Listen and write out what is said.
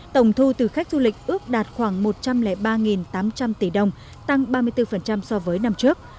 tổng thu từ khách du lịch ước đạt khoảng một trăm linh ba tám trăm linh tỷ đồng tăng ba mươi bốn so với năm trước